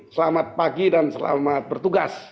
selamat pagi dan selamat bertugas